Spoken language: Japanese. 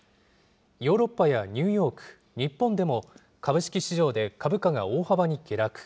ヨーロッパやニューヨーク、日本でも、株式市場で株価が大幅に下落。